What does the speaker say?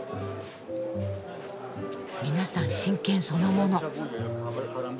皆さん真剣そのもの。